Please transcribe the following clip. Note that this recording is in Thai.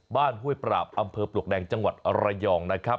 ห้วยปราบอำเภอปลวกแดงจังหวัดระยองนะครับ